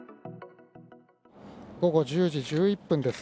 午後１０時１１分です。